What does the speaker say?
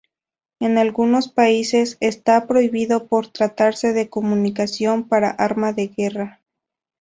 En algunos países está prohibido por tratarse de munición para "arma de guerra".